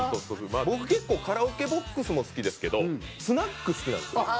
僕結構カラオケボックスも好きですけどスナック好きなんですよ。